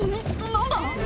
何だ？